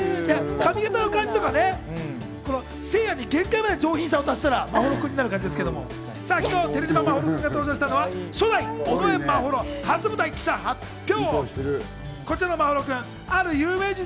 髪形の感じとかね、せいやに限界まで上品さを出したら、眞秀くんになるかもしれないけど、昨日、寺嶋眞秀くんが登場したのは、初代・尾上眞秀初舞台記者発表。